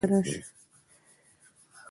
هغې خپل ماشوم ته وویل چې له ښوونځي بیرته راشه